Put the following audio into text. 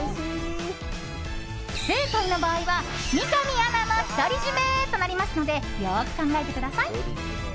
不正解の場合は三上アナの独り占めとなりますのでよく考えてください。